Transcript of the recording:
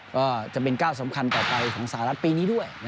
ก็จะเป็นก้าวสำคัญต่อไปของสหรัฐปีนี้ด้วย